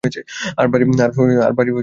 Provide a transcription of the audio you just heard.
তার বাড়ি ত্রিপলিক্যানে।